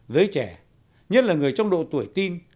giới trẻ nhất là người trong độ tuổi tin